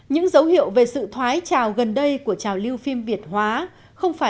những dấu hiệu về sự thoái trào gần đây của trào lưu phim việt hóa